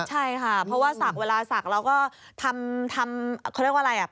ใช่ค่ะเพราะว่าสักเวลาสักเราก็ทำเขาเรียกว่าอะไร